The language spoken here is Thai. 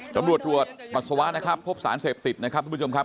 ตำรวจตรวจปัสสาวะนะครับพบสารเสพติดนะครับทุกผู้ชมครับ